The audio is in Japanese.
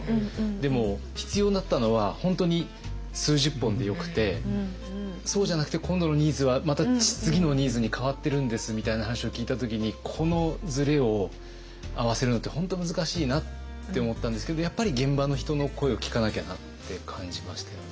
でも必要だったのは本当に数十本でよくてそうじゃなくて今度のニーズはまた次のニーズに変わってるんですみたいな話を聞いた時にこのズレを合わせるのって本当難しいなって思ったんですけどやっぱり現場の人の声を聞かなきゃなって感じましたよね。